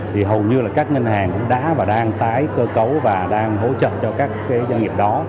thì hầu như là các ngân hàng cũng đã và đang tái cơ cấu và đang hỗ trợ cho các cái doanh nghiệp đó